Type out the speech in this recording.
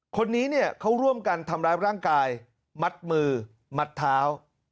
คนนี้เนี่ยเขาร่วมกันทำร้ายร่างกายมัดมือมัดเท้า